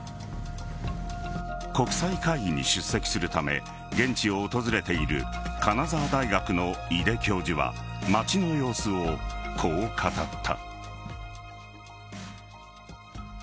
国際会議に出席するため現地を訪れている金沢大学の井出教授は街の様子をこう語った。